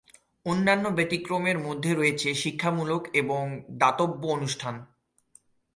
অন্যান্য ব্যতিক্রমের মধ্যে রয়েছে শিক্ষামূলক এবং দাতব্য অনুষ্ঠান...